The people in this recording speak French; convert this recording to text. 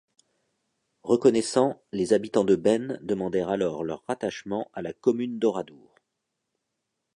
Reconnaissants, les habitants de Bennes demandèrent alors leur rattachement à la commune d'Oradour.